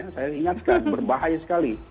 saya ingatkan berbahaya sekali